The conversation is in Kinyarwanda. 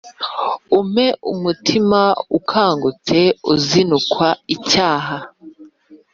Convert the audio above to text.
Umpe umutima Ukangutse Uzinukwa icyaha